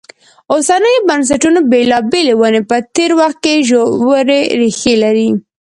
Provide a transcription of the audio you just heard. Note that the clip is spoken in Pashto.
اوسنیو بنسټونو بېلابېلې ونې په تېر وخت کې ژورې ریښې لري.